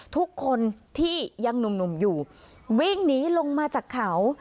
ทุกคนที่ยังหนุ่มอยู่วิ่งหนีลงมาจากเขา